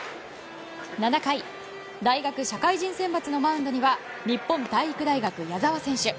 ７回、大学・社会人選抜のマウンドには日本体育大学、矢澤選手。